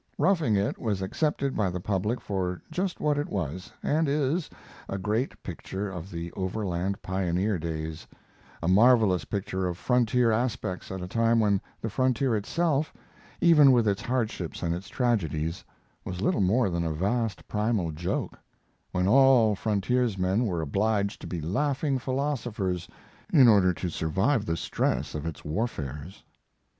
'Roughing It' was accepted by the public for just what it was and is, a great picture of the Overland Pioneer days a marvelous picture of frontier aspects at a time when the frontier itself, even with its hardships and its tragedies, was little more than a vast primal joke; when all frontiersmen were obliged to be laughing philosophers in order to survive the stress of its warfares.